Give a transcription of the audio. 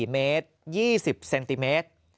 ๔เมตร๒๐เซนติเมตร